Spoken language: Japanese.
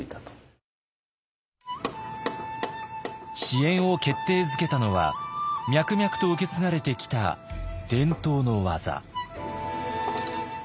支援を決定づけたのは脈々と受け継がれてきた伝統の技。